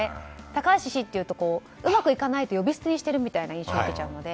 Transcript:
高橋氏っていうとうまく言わないと呼び捨てにしてるみたいな印象を受けちゃうので。